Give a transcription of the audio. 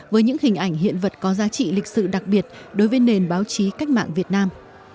với những hình ảnh hiện vật có giá trị lịch sử đặc biệt đối với nền báo chí cách mạng việt nam